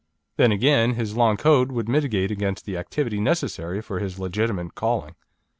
Then, again, his long coat would militate against the activity necessary for his legitimate calling.